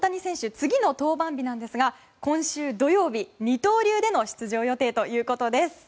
次の登板日ですが今週土曜日、二刀流での出場予定ということです。